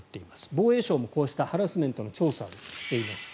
防衛省もこうしたハラスメントの調査をしています。